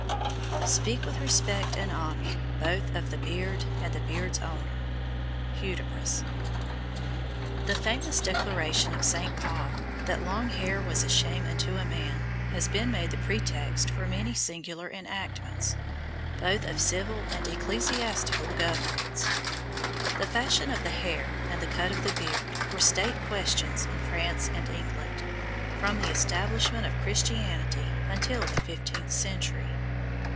Speak with respect and honour Both of the beard and the beard's owner. Hudibras. The famous declaration of St. Paul, "that long hair was a shame unto a man," has been made the pretext for many singular enactments, both of civil and ecclesiastical governments. The fashion of the hair and the cut of the beard were state questions in France and England, from the establishment of Christianity until the fifteenth century.